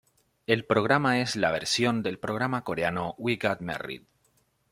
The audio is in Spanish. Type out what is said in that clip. El programa es la versión del programa coreano "We Got Married".